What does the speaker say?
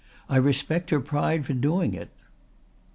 I respect her pride for doing it."